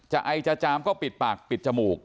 ไอจะจามก็ปิดปากปิดจมูก